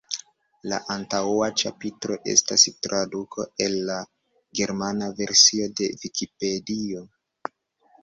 La antaŭa ĉapitro estas traduko el la germana versio de vikipedio.